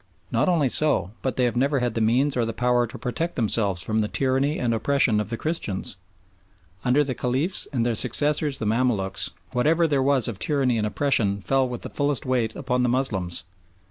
Not only so, but they have never had the means or the power to protect themselves from the tyranny and oppression of the Christians. Under the Caliphs and their successors the Mamaluks whatever there was of tyranny and oppression fell with fullest weight upon the Moslems.